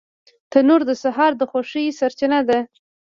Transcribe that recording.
تنور د سهار د خوشبویۍ سرچینه ده